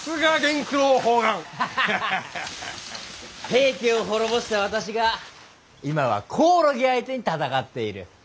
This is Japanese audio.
平家を滅ぼした私が今はコオロギ相手に戦っている。